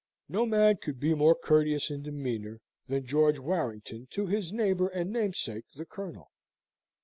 No man could be more courteous in demeanour than George Warrington to his neighbour and namesake, the Colonel.